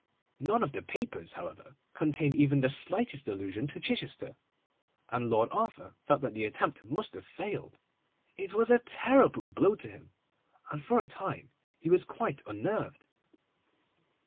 None of the papers, however, contained even the slightest allusion to Chichester, and Lord Arthur felt that the attempt must have failed. It was a terrible blow to him, and for a time he was quite unnerved.